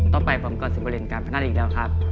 ต่อไปผมก็จะเล่นกางพนันอีกแล้วครับ